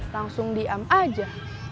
langsung diam aja